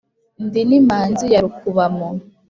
Ndi n’imanzi ya Rukubamo,